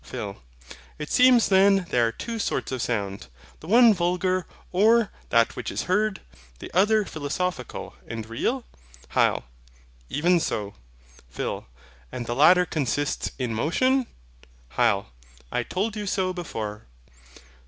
PHIL. It seems then there are two sorts of sound the one vulgar, or that which is heard, the other philosophical and real? HYL. Even so. PHIL. And the latter consists in motion? HYL. I told you so before.